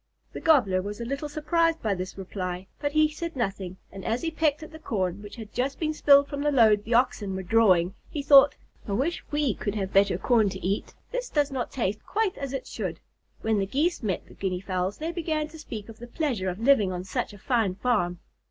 The Gobbler was a little surprised by this reply, but he said nothing, and as he pecked at the corn which had just been spilled from the load the Oxen were drawing, he thought, "I wish we could have better corn to eat. This does not taste quite as it should." When the Geese met the Guinea Fowls, they began to speak of the pleasure of living on such a fine farm.